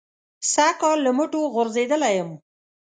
سږ کال له مټو غورځېدلی یم.